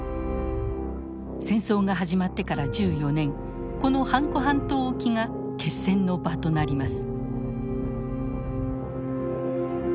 戦争が始まってから１４年このハンコ半島沖が決戦の場となります。